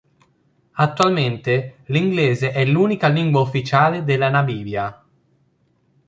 Attualmente, l'inglese è l'unica lingua ufficiale della Namibia.